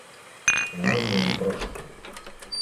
Назва ні пра што.